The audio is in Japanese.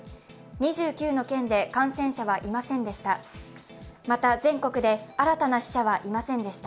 ２９の県で感染者はいませんでした。